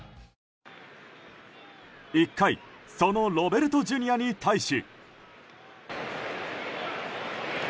１回そのロベルトＪｒ．に対し。